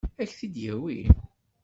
Ad k-t-id-yawi?